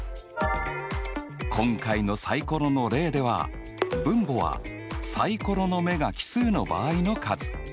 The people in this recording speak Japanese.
今回のサイコロの例では分母はサイコロの目が奇数の場合の数。